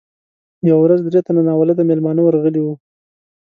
یوه ورځ درې تنه ناولده میلمانه ورغلي وو.